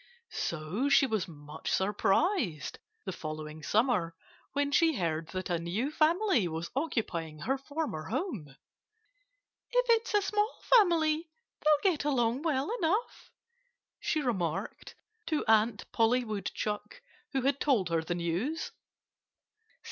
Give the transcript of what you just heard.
So she was much surprised, the following summer, when she heard that a new family was occupying her former home. "If it's a small family they'll get along well enough," she remarked to Aunt Polly Woodchuck, who had told her the news.